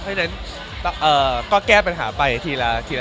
เพราะฉะนั้นก็แก้ปัญหาไปทีละทีละ